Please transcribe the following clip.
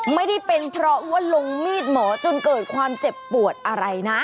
ไม่ได้เป็นเพราะว่าลงมีดหมอจนเกิดความเจ็บปวดอะไรนะ